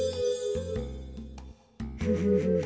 フフフフ。